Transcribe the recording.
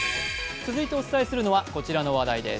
続いてはお伝えするのはこちらの話題です。